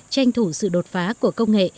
tranh thủ sự đột phá của công nghệ